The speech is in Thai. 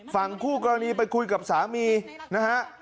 ฝั่งคู่กรณีไปคุยกับสามีนะฮะ